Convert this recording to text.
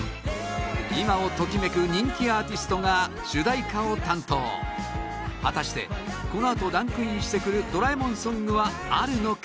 今をときめく人気アーティストが主題歌を担当果たしてこのあとランクインしてくるドラえもんソングはあるのか？